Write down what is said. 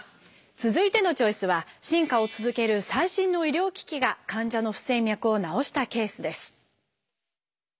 続いてのチョイスは進化を続ける最新の医療機器が患者の不整脈を治したケースです。